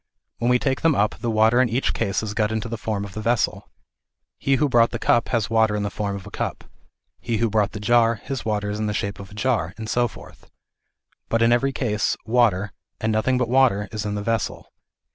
When we take them up, the water in each case has got into the form of the vessel. He who brought the cup, has water in the form of a cup, he who brought the jar, his water is in the shape of a jar, and so forth ; but, in every case, water, and nothing but water is in the vessel.